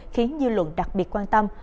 khiến dư luận đặc biệt quan tâm